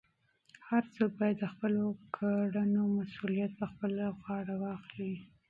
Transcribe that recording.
هر څوک باید د خپلو کړنو مسؤلیت په خپله غاړه واخلي.